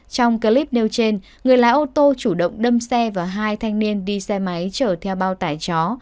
trong clip nêu trên người lái ô tô chủ động đâm xe và hai thanh niên đi xe máy chở theo bao tải chó